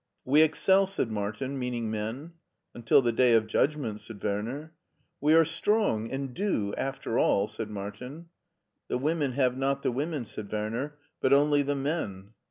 We excel," said Martin, meaning men. Until the day of judgment," said Werner. We are strong and ' do * after all," said Martin. " The women have not the women," said Werner, "but only the men."